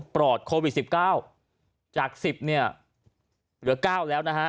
ปลอดโควิด๑๙จาก๑๐เนี่ยเหลือ๙แล้วนะฮะ